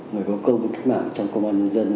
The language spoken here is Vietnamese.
người có công cách mạng trong công an nhân dân